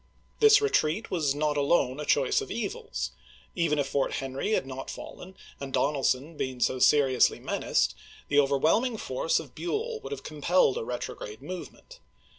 This retreat was not alone a choice of evils. Even if Fort Henry had not fallen and Donelsou been so seriously menaced, the overwhelming foi'ce of Buell would have compelled a retrograde movement.